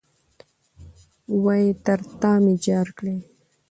وئ ! تر تامي جار کړې